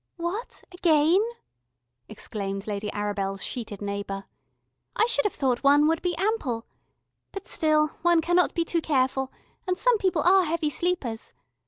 "What, again?" exclaimed Lady Arabel's sheeted neighbour. "I should have thought one would have been ample. But still, one cannot be too careful, and some people are heavy sleepers.